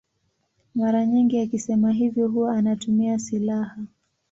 Mara nyingi akisema hivyo huwa anatumia silaha.